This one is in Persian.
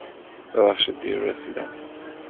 ببخشید دیر رسیدم.